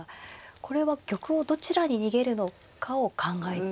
これは玉をどちらに逃げるのかを考えて。